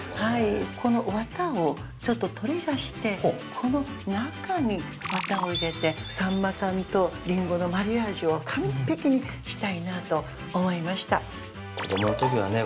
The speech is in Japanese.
このワタをちょっと取り出してこの中にワタを入れてさんまさんとりんごのマリアージュを完璧にしたいなと思いました子供のときはね